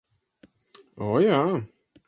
O, jā.